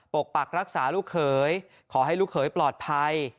ปกปักรักษาลูกเขยขอให้ลูกเขยปลอดภัย